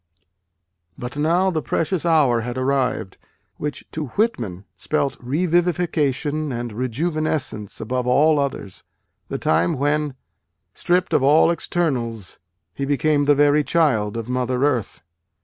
But now the precious hour had arrived, which to Whitman spelt revivification and rejuvenescence above all others : the time when, stripped of all externals, he became the very child of Mother Earth.